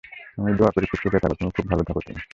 আমিও দোয়া করি খুব সুখে থাকো তুমি, খুব ভালো থাকো তুমি।